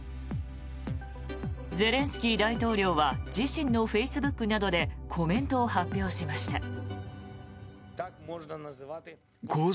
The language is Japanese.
ゼレンスキー大統領は自身のフェイスブックなどでコメントを発表しました。